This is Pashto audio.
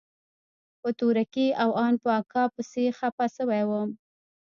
په تورکي او ان په اکا پسې خپه سوى وم.